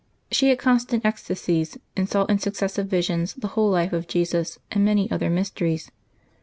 She had constant ec stasies, and saw in successive visions the whole life of Jesus, and many other mysteries.